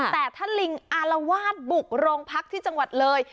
แต่ถ้าลิงอารวาสบุกโรงพักที่จังหวัดเลย